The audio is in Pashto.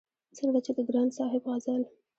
ځکه چې د ګران صاحب غزل